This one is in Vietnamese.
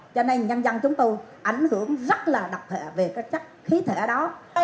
cho nên dân dân chúng tôi ảnh hưởng rất là độc về cái khí thể đó